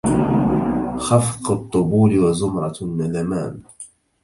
خفق الطبول وزمرة الندمان